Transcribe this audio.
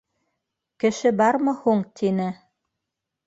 — Кеше бармы һуң? — тине.